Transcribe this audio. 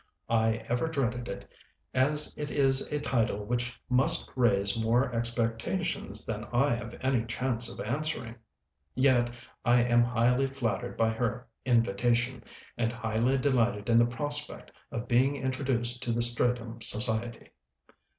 I ever dreaded it, as it is a title which must raise more expectations than I have any chance of answering. Yet I am highly flattered by her invitation, and highly delighted in the prospect of being introduced to the Streatham society.